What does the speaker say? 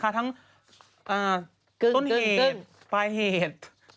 คุกต้นเลสปลายเหตุ